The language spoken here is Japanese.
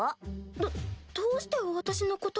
どどうして私のこと。